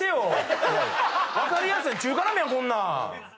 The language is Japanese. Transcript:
分かりやすい中華鍋やんこんなん。